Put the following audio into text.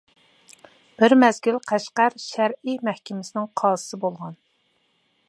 بىر مەزگىل قەشقەر شەرئى مەھكىمىسىنىڭ قازىسى بولغان.